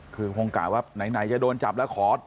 คือคงกะว่าไหนจะโดนจับแล้วขอ